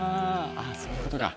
あっそういうことか。